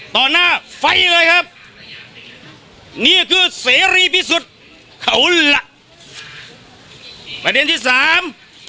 หน้าไฟเลยครับนี่คือเสรีพิสุทธิ์เขาล่ะประเด็นที่สาม